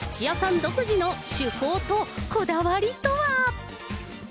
独自の手法とこだわりとは。